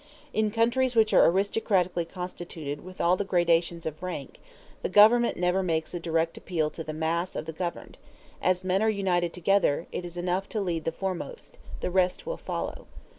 In countries which are aristocratically constituted with all the gradations of rank, the government never makes a direct appeal to the mass of the governed: as men are united together, it is enough to lead the foremost, the rest will follow.